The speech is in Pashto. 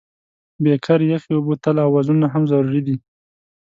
بیکر، یخې اوبه، تله او وزنونه هم ضروري دي.